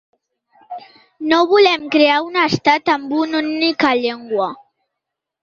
No volem crear un estat amb una única llengua.